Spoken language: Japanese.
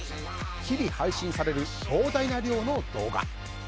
日々配信される膨大な量の動画。